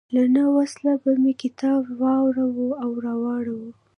له نه وسه به مې کتاب واړاوه او راواړاوه.